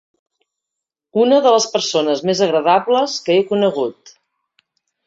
Una de les persones més agradables que he conegut.